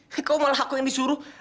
tapi kau malah aku yang disuruh